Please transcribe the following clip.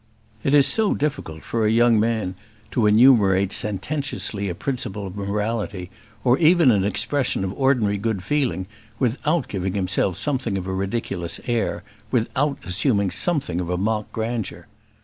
It is so difficult for a young man to enumerate sententiously a principle of morality, or even an expression of ordinary good feeling, without giving himself something of a ridiculous air, without assuming something of a mock grandeur!